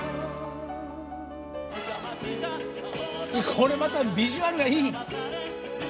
これまたビジュアルがいい！